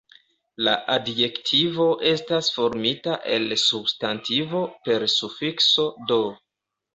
La adjektivo estas formita el substantivo per sufikso "-d".